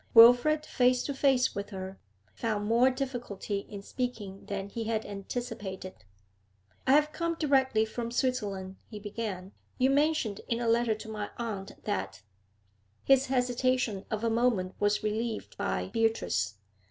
Wilfrid, face to face with her, found more difficulty in speaking than he had anticipated. 'I have come directly from Switzerland,' he began. 'You mentioned in a letter to my aunt that ' His hesitation of a moment was relieved by Beatrice.